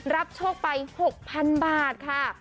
โชคไป๖๐๐๐บาทค่ะ